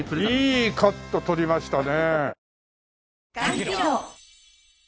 いいカット撮りましたね。